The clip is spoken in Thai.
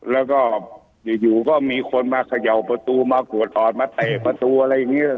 แล้วก็อยู่ก็มีคนมาเขย่าประตูมากวดออดมาเตะประตูอะไรอย่างนี้